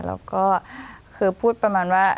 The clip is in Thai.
แล้วก็คือพูดประมาณว่า